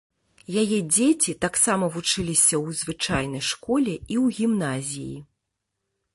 Яе дзеці таксама вучыліся ў звычайнай школе і ў гімназіі.